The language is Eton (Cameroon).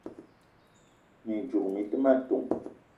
Mi ndzouk mi te ma ton: